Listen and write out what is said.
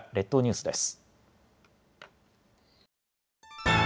列島ニュースです。